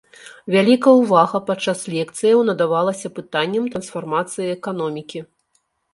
Вялікая ўвага падчас лекцыяў надавалася пытанням трансфармацыі эканомікі.